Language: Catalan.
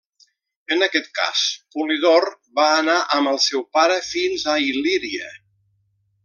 En aquest cas, Polidor va anar amb el seu pare fins a Il·líria.